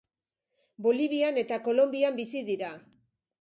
Bolivian eta Kolonbian bizi dira.